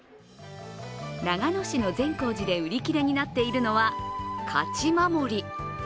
長野市の善光寺で売り切れになっているのは勝守。